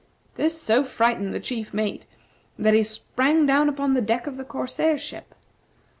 This so frightened the chief mate that he sprang down upon the deck of the corsair ship.